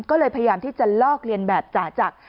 ก็เลยพยายามที่จะลอกเลียนแบบจ่าจักร